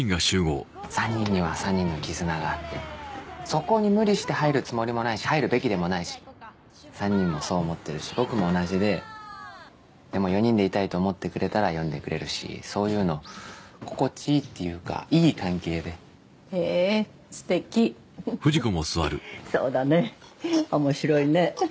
３人には３人の絆があってそこに無理して入るつもりもないし入るべきでもないし３人もそう思ってるし僕も同じででも４人でいたいと思ってくれたら呼んでくれるしそういうの心地いいっていうかいい関係でへえーすてきそうだね面白いねふふ